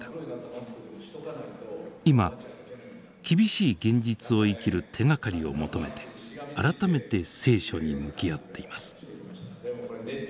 今厳しい現実を生きる手がかりを求めて改めて聖書に向き合っています。